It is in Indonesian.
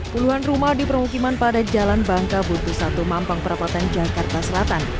puluhan rumah di permukiman pada jalan bangka butuh satu mampang perabotan jakarta selatan